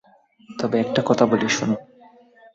তবে একটা কথা বলি শুনুন।